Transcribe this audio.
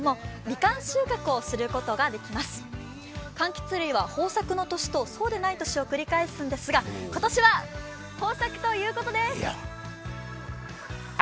かんきつ類は豊作の年とそうではない年を繰り返すんですが今年は豊作ということです。